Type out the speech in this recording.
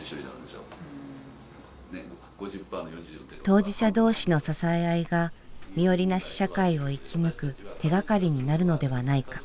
当事者同士の支え合いが「身寄りなし社会」を生き抜く手がかりになるのではないか。